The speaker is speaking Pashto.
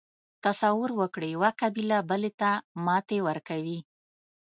تصور وکړئ یوه قبیله بلې ته ماتې ورکوي.